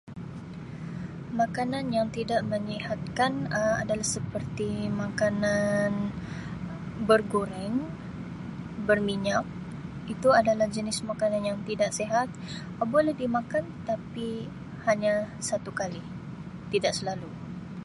Makanan yang tidak menyihatkan Um adalah seperti makanan bergoreng berminyak itu adalah jenis makanan yang tidak sihat boleh dimakan tapi hanya satu kali tidak selalu.